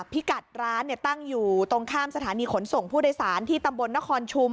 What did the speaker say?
พิกัดร้านตั้งอยู่ตรงข้ามสถานีขนส่งผู้โดยสารที่ตำบลนครชุม